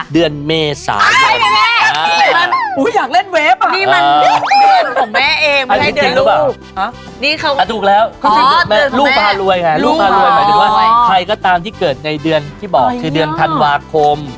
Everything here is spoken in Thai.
เด่นสุดเลยนี่เดือนนี้ธันวาคม